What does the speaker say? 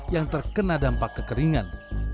yang terkena dampak kekeringan